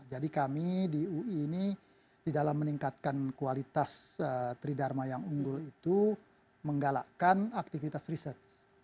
jadi kami di ui ini di dalam meningkatkan kualitas tridharma yang unggul itu menggalakkan aktivitas riset